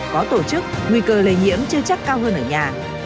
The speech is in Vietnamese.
có tổ chức nguy cơ lây nhiễm chưa chắc cao hơn ở nhà